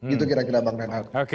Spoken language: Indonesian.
itu kira kira bang reinhardt